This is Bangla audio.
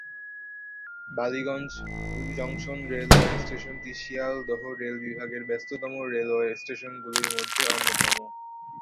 বালিগঞ্জ জংশন রেলওয়ে স্টেশনটি শিয়ালদহ রেল বিভাগের ব্যস্ততম রেলওয়ে স্টেশনগুলির মধ্যে অন্যতম।